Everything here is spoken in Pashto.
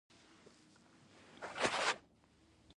د څه شي مجاهد.